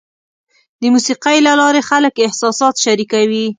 د موسیقۍ له لارې خلک احساسات شریکوي.